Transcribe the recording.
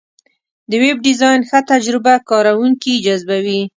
د ویب ډیزاین ښه تجربه کارونکي جذبوي.